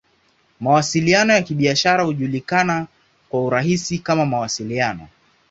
Mawasiliano ya Kibiashara hujulikana kwa urahisi kama "Mawasiliano.